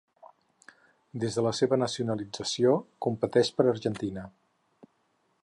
Des de la seva nacionalització, competeix per Argentina.